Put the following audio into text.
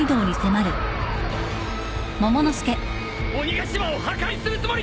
鬼ヶ島を破壊するつもりか！？